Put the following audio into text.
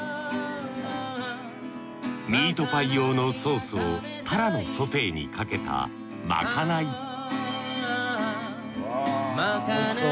ミートパイ用のソースをタラのソテーにかけたまかないおいしそう。